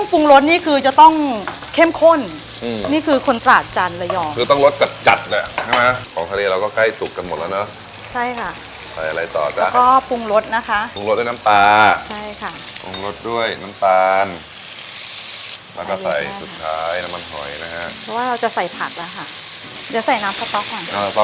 คุณสาวนี้คุณสาวนี้คุณสาวนี้คุณสาวนี้คุณสาวนี้คุณสาวนี้คุณสาวนี้คุณสาวนี้คุณสาวนี้คุณสาวนี้คุณสาวนี้คุณสาวนี้คุณสาวนี้คุณสาวนี้คุณสาวนี้คุณสาวนี้คุณสาวนี้คุณสาวนี้คุณสาวนี้คุณสาวนี้คุณสาวนี้คุณสาวนี้คุณสาวนี้คุณสาวนี้คุณสา